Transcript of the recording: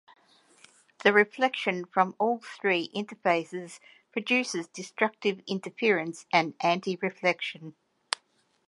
The reflection from all three interfaces produces destructive interference and anti-reflection.